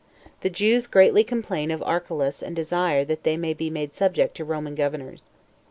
The Jews Greatly Complain Of Archelaus And Desire That They May Be Made Subject To Roman Governors.